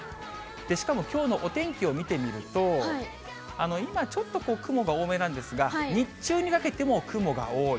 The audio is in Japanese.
しかもきょうのお天気を見てみると、今、ちょっと雲が多めなんですが、日中にかけても雲が多い。